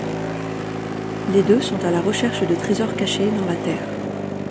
Les deux sont à la recherche de trésors cachés dans la Terre.